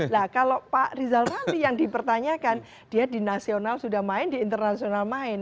nah kalau pak rizal nanti yang dipertanyakan dia di nasional sudah main di internasional main